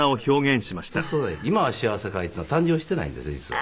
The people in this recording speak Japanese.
『今は幸せかい』っていうのは誕生してないんですよ実は。